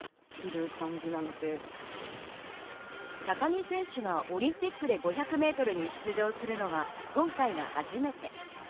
高木選手がオリンピックで５００メートルに出場するのは今回が初めて。